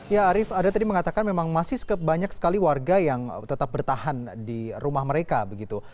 ya arief anda tadi mengatakan memang masih banyak sekali warga yang tetap bertahan di rumah mereka begitu